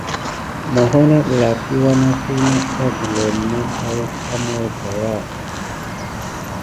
Moho na ɓelaki lwanafi natda gulome nat kupate à ma kigaya.